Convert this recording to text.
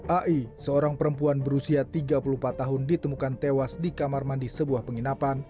ai seorang perempuan berusia tiga puluh empat tahun ditemukan tewas di kamar mandi sebuah penginapan